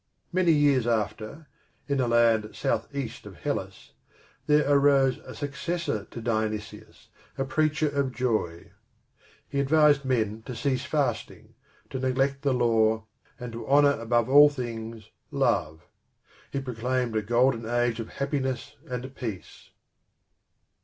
Many years after, in a land south east of Hellas, there arose a successor to Dionysus, a preacher of joy. He advised men to cease fasting, to neglect the law and to honour above all things, love. He proclaimed a golden age of happiness and peace.